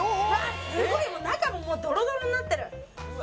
すごい中もドロドロになってるうわ